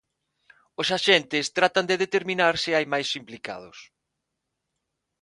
Os axentes tratan de determinar se hai máis implicados.